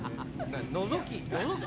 のぞき？